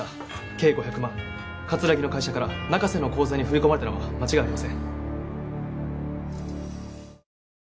計５００万葛城の会社から中瀬の口座に振り込まれたのは間違いありません。